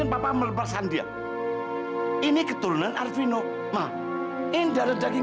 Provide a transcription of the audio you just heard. tapi suatu saat nanti pasti